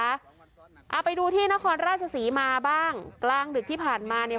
เอาไปดูที่นครราชศรีมาบ้างกลางดึกที่ผ่านมาเนี่ย